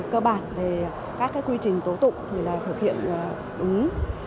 cơ bản về các quy trình tố tụng thì là thực hiện đúng